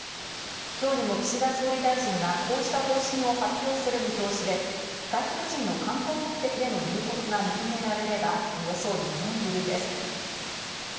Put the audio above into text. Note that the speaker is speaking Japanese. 今日にも岸田総理大臣がこうした方針を発表する見通しで、外国人の観光目的での入国が認められれば、およそ２年ぶりです。